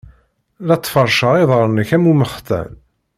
La tfeṛṛceḍ iḍaṛṛen-ik am umextan.